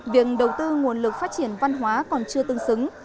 việc đầu tư nguồn lực phát triển văn hóa còn chưa tương xứng